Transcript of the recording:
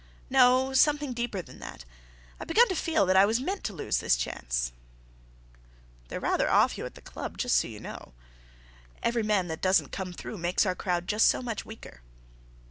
"No—something deeper than that. I've begun to feel that I was meant to lose this chance." "They're rather off you at the club, you know; every man that doesn't come through makes our crowd just so much weaker."